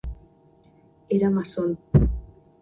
Era masón.